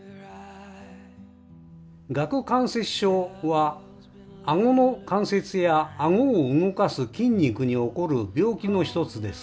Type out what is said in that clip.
「『顎関節症』はあごの関節やあごを動かす筋肉に起こる病気の一つです。